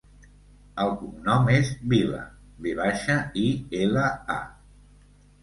El cognom és Vila: ve baixa, i, ela, a.